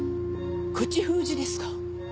口封じですか？